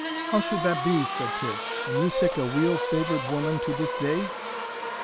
"How should that be," said Tibb, "and you sic a weel favoured woman to this day?"